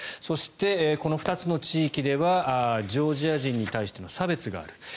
そして、この２つの地域ではジョージア人に対しての差別がある。